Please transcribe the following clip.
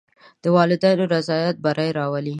د والدینو رضایت بری راولي.